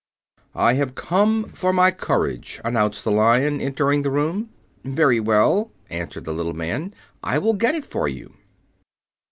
"I have come for my courage," announced the Lion, entering the room. "Very well," answered the little man; "I will get it for you."